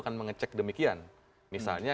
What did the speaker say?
akan mengecek demikian misalnya